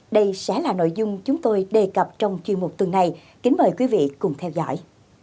đây sẽ là nội dung chúng tôi đề cập trong chuyên mục tuần này kính mời quý vị cùng theo dõi